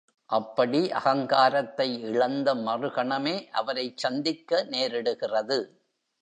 அப்படி அகங்காரத்தை இழந்த மறுகணமே அவரைச் சந்திக்க நேரிடுகிறது.